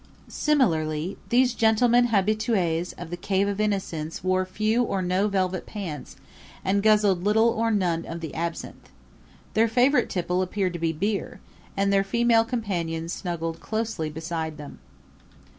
Similarly these gentlemen habitues of the Cave of the Innocents wore few or no velvet pants, and guzzled little or none of the absinthe. Their favorite tipple appeared to be beer; and their female companions snuggled closely beside them.